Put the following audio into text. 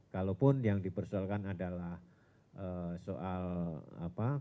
kalaupun yang dipersoalkan adalah soal apa